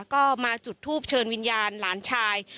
ก็มาจุดทูปเชิญวิญญาณหลานชาย